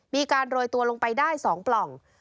มีการโรยตัวลงไปได้๒ปล่อง